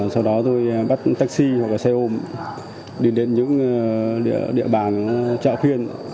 sau đó tôi bắt taxi hoặc xe ôm đi đến những địa bàn trợ khuyên